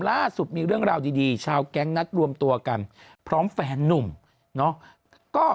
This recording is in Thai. ล่าสุดมีเรื่องราวดีชาวแก๊งนัดรวมตัวกันพร้อมแฟนนุ่มเนาะ